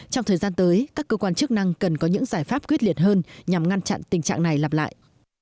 trong thời gian tới các cơ quan chức năng cần có những giải pháp quyết liệt hơn nhằm ngăn chặn tình trạng này lặp lại